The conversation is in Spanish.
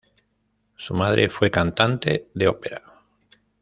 Su madre fue cantante de ópera.